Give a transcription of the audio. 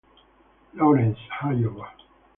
Laurens, Iowa.